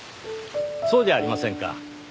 そうじゃありませんか。